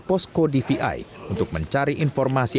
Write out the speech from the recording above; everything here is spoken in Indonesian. posko dvi untuk mencari informasi